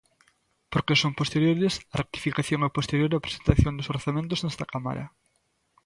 Porque son posteriores, a rectificación é posterior á presentación dos orzamentos nesta Cámara.